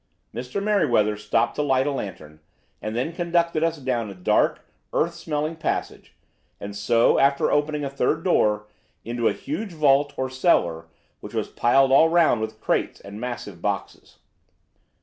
Mr. Merryweather stopped to light a lantern, and then conducted us down a dark, earth smelling passage, and so, after opening a third door, into a huge vault or cellar, which was piled all round with crates and massive boxes.